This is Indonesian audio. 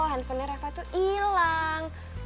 handphonenya reva tuh ilang